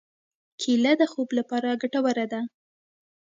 کېله د خوب لپاره ګټوره ده.